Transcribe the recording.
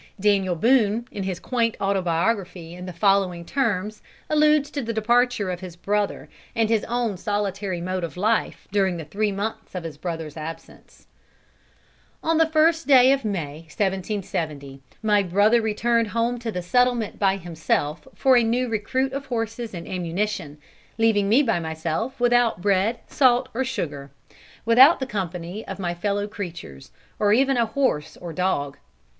] Daniel Boone, in his quaint autobiography, in the following terms alludes to the departure of his brother and his own solitary mode of life during the three months of his brother's absence: "On the first day of May, 1770, my brother returned home to the settlement by himself for a new recruit of horses and ammunition, leaving me by myself without bread, salt or sugar, without company of my fellow creatures, or even a horse or dog.